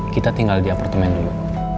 kita tinggal di apartemen dulu